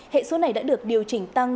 hệ số này đã được điều chỉnh tăng